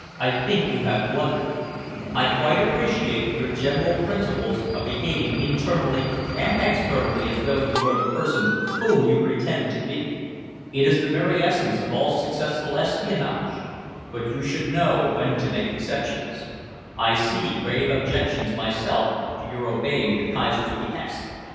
"I think you have blundered. I quite appreciate your general principles of behaving internally and externally as though you were the person whom you pretend to be. It is the very essence of all successful espionage. But you should know when to make exceptions. I see grave objections myself to your obeying the Kaiser's behest.